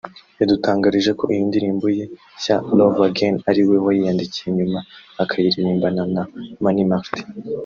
yadutangarije ko iyi ndirimbo ye nshya ‘Love again’ ari we wayiyandikiye nyuma akayiririmbana na Mani Martin